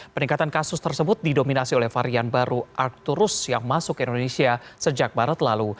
peningkatan kasus tersebut didominasi oleh varian baru arthurus yang masuk ke indonesia sejak maret lalu